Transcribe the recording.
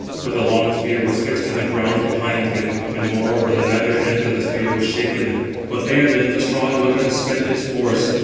But the long spear was fixed in the ground behind him; and moreover the nether end of the spear was shaken; but there then the strong weapon spent its force.